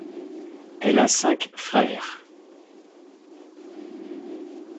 Elle a cinq frères.